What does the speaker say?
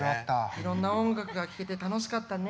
いろんな音楽が聴けて楽しかったね。